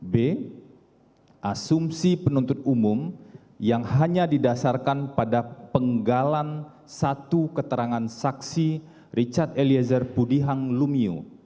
b asumsi penuntut umum yang hanya didasarkan pada penggalan satu keterangan saksi richard eliezer pudihang lumiu